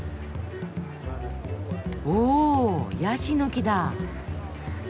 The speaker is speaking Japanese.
おヤシの木だ。